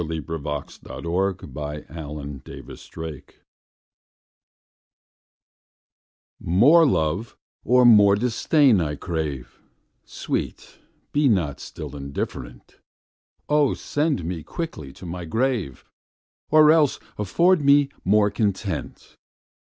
1678 403. Against Indifference MORE love or more disdain I crave; Sweet, be not still indifferent: O send me quickly to my grave, Or else afford me more content!